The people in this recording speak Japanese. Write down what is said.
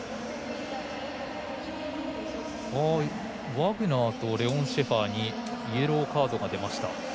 ワグナーとレオン・シェファーにイエローカードが出ました。